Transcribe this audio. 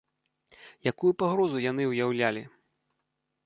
Якую пагрозу яны ўяўлялі?